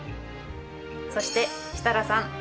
そして設楽さん